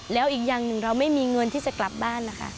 แล้วอีกอย่างหนึ่งเราไม่มีเงินที่จะกลับบ้านนะคะ